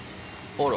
あら。